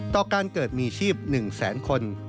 ต่อการเกิดมีชีพ๑แสนคน